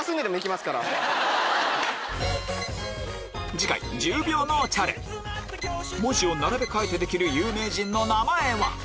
次回１０秒脳チャレ文字を並べ替えてできる有名人の名前は？